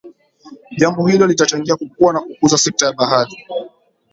Jambo hilo litachangia kukua na kukuza sekta ya bahari